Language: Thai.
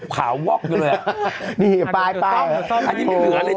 ขวาวว็อกอยู่เลย